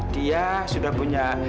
dia sudah punya